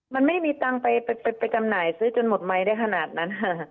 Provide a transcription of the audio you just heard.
มันไม่มีตังค์ไปจำหน่ายซื้อจนหมดไมค์ได้ขนาดนั้น